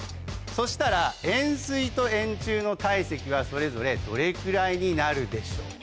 そしたら円錐と円柱の体積はそれぞれどれくらいになるでしょう？